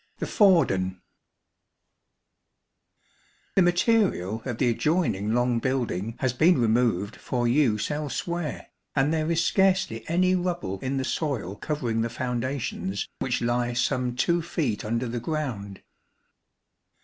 The Fawden. The material of the adjoining long building has been removed for use elsewhere, and there is scarcely any rubble in the soil covering the foundations which lie some 2 feet under the ground.